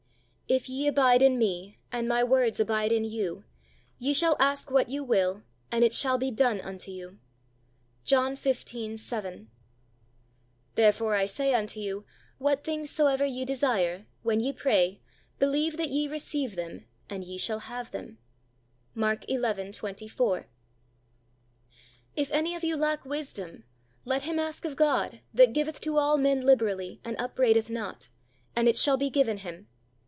If ye abide in Me, and My words abide in you, ye shall ask what you will, and it shall be done unto you. JOHN xv. 7. Therefore I say unto you, What things soever ye desire, when ye pray, believe that ye receive them, and ye shall have them. MARK xi. 24. If any of you lack wisdom, let him ask of God, that giveth to all men liberally, and upbraideth not; and it shall be given him.